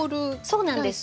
そうなんです。